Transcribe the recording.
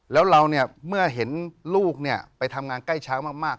แล้วเราเนี่ยเมื่อเห็นลูกไปทำงานใกล้ช้างมาก